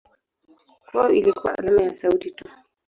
Kwao ilikuwa alama ya sauti tu.